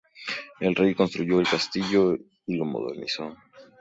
El rey reconstruyó el castillo y lo modernizó.